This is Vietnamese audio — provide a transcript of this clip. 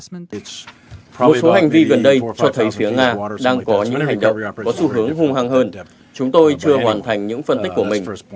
một số hành vi gần đây cho thấy phía nga đang có những hành động có xu hướng hung hăng hơn chúng tôi chưa hoàn thành những phân tích của mình